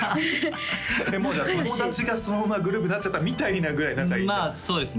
もうじゃあ友達がそのままグループになっちゃったみたいなぐらい仲いいまあそうですね